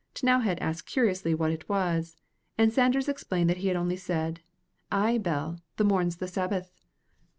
T'nowhead asked curiously what it was, and Sanders explained that he had only said, "Ay, Bell, the morn's the Sabbath."